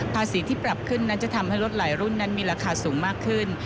ภาษีที่ปรับขึ้นนั้นจะทำให้รถหลายรุ่นนั้นมีราคาสูงมากขึ้น